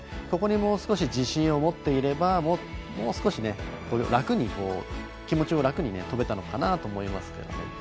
ここにもう少し自信を持っていればもう少し気持ちを楽に飛べたのかなと思いますが。